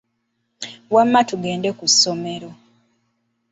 Wamma tugende ku ssomero.